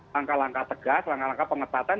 langkah langkah tegas langkah langkah pengetatan